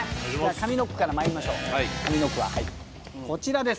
上の句はこちらです。